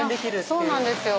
そうなんですよ